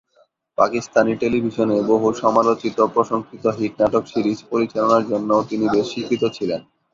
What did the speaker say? পাকিস্তানি টেলিভিশনে বহু সমালোচিত প্রশংসিত হিট নাটক সিরিজ পরিচালনার জন্যও তিনি বেশ স্বীকৃত ছিলেন।